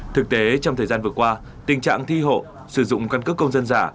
thực tế trong thời gian vừa qua tình trạng thi hộ sử dụng căn cứ công dân dạ